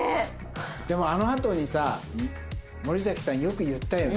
でもあのあとにさ森咲さんよく言ったよね。